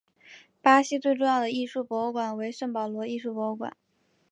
巴西最重要的艺术博物馆为圣保罗艺术博物馆。